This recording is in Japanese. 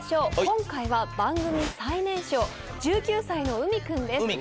今回は番組最年少１９歳のＵＭＩ君です。